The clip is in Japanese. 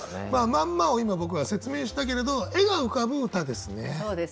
まんまを今僕は説明したけれど絵が浮かぶ歌ですね。